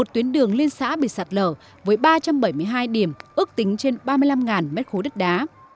một mươi một tuyến đường lên xã bị sạt lở với ba trăm bảy mươi hai điểm ước tính trên ba mươi năm m ba đất đá